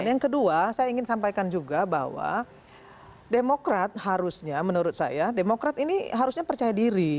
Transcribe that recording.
yang kedua saya ingin sampaikan juga bahwa demokrat harusnya menurut saya demokrat ini harusnya percaya diri